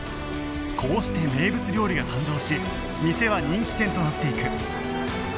こうして名物料理が誕生し店は人気店となっていく